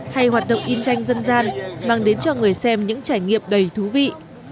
hay hoạt động in tranh dân gian mang đến cho người xem những trải nghiệm đầy thú vị